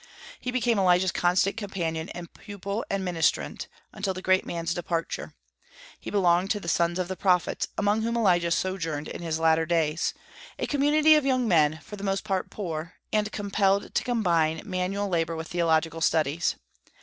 He became Elijah's constant companion and pupil and ministrant, until the great man's departure. He belonged to "the sons of the prophets," among whom Elijah sojourned in his latter days, a community of young men, for the most part poor, and compelled to combine manual labor with theological studies.